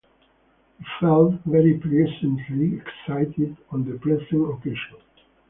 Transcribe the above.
We felt very pleasantly excited on the present occasion.